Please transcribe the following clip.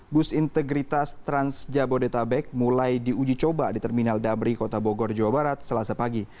bus integritas trans jabodetabek mulai diuji coba di terminal damri kota bogor jawa barat selasa pagi